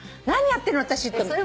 何やってんの私と。